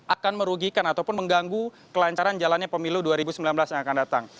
akan merugikan ataupun mengganggu kelancaran jalannya pemilu dua ribu sembilan belas yang akan datang